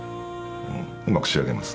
うんうまく仕上げます。